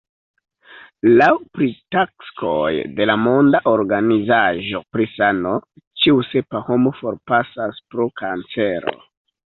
Laŭ pritaksoj de la Monda Organizaĵo pri Sano ĉiu sepa homo forpasas pro kancero.